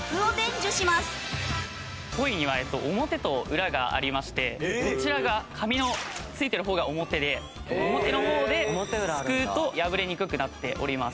ポイには表と裏がありましてこちらが紙のついてる方が表で表の方ですくうと破れにくくなっております。